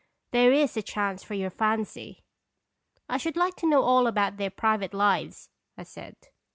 There is a chance for your fancy." 11 1 should like to know all about their pri vate lives," I said.